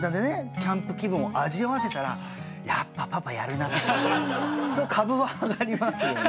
キャンプ気分を味わわせたら「やっぱパパやるな」と株は上がりますよね。